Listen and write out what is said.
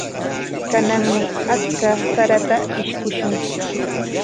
Kananmi achka sarata ishkushun.